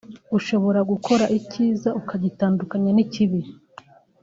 ushobora gukora icyiza ukagitandukanya n’ikibi